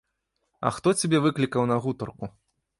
А хто цябе выклікаў на гутарку?